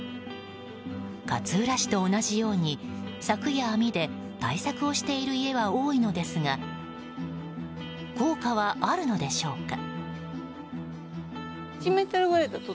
勝浦市と同じように柵や網で対策をしている家は多いのですが効果はあるのでしょうか。